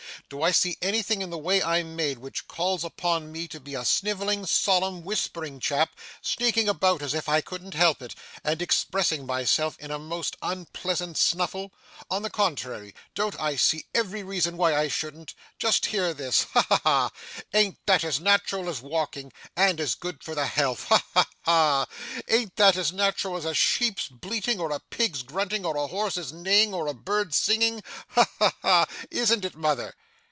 Do I see anything in the way I'm made, which calls upon me to be a snivelling, solemn, whispering chap, sneaking about as if I couldn't help it, and expressing myself in a most unpleasant snuffle? on the contrary, don't I see every reason why I shouldn't? just hear this! Ha ha ha! An't that as nat'ral as walking, and as good for the health? Ha ha ha! An't that as nat'ral as a sheep's bleating, or a pig's grunting, or a horse's neighing, or a bird's singing? Ha ha ha! Isn't it, mother?